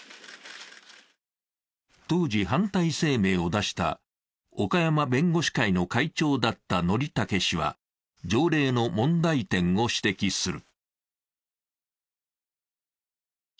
当時、反対声明を出した岡山弁護士会の会長だった則武氏は条例の問題点を指摘する。